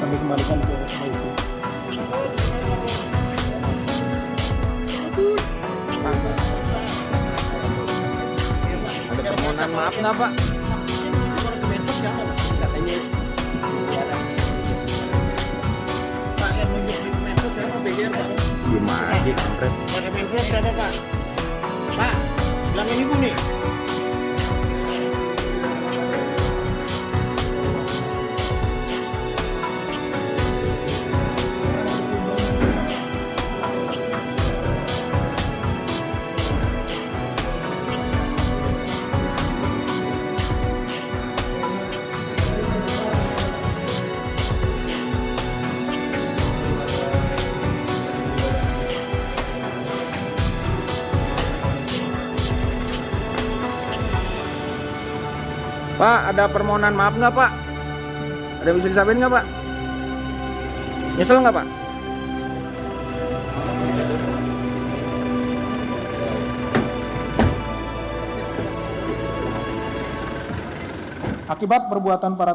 kami kembalikan di video selanjutnya